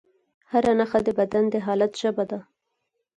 هره نښه د بدن د حالت ژبه ده.